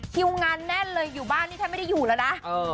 คิวงานแน่นเลยอยู่บ้านนี่แทบไม่ได้อยู่แล้วนะ